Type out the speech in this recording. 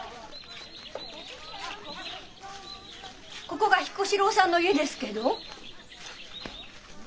ここが彦四郎さんの家ですけど。